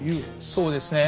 そうですね。